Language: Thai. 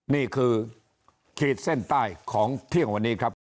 นี่คือขีดเส้นใต้ของเที่ยงวันนี้ครับ